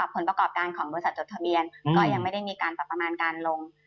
ผลประกอบการของบริษัทจดทะเบียนก็ยังไม่ได้มีการปรับประมาณการลง